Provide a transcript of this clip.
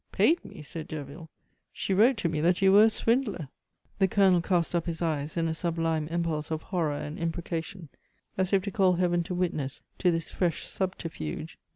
"Paid me?" said Derville. "She wrote to me that you were a swindler." The Colonel cast up his eyes in a sublime impulse of horror and imprecation, as if to call heaven to witness to this fresh subterfuge.